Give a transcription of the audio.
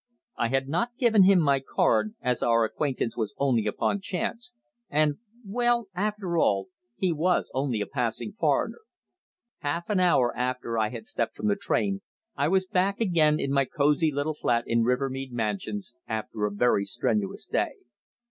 I had not given him my card, as our acquaintance was only upon chance, and well, after all, he was only a passing foreigner. Half an hour after I had stepped from the train, I was back again in my cosy little flat in Rivermead Mansions, after a very strenuous day.